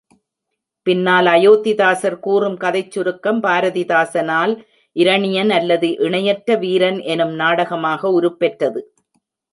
பின்னால் அயோத்திதாசர் கூறும் கதைச்சுருக்கம் பாரதிதாசனால் இரணியன் அல்லது இணையற்ற வீரன் எனும் நாடகமாக உருப்பெற்றது.